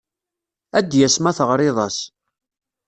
Ad d-yas ma teɣriḍ-as.